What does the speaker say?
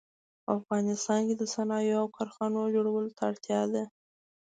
افغانستان کې د صنایعو او کارخانو جوړولو ته اړتیا ده